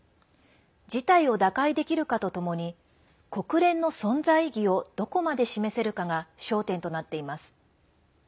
事態を打開できるかとともに国連の存在意義をどこまで示せるかが焦点となっています。